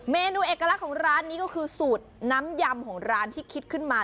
เมนูเอกลักษณ์ของร้านนี้ก็คือสูตรน้ำยำของร้านที่คิดขึ้นมา